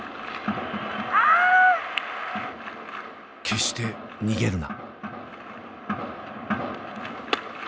決して逃げるな。